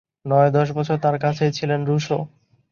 নয়-দশ বছর তার কাছেই ছিলেন রুসো।